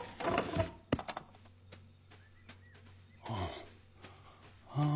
ああ！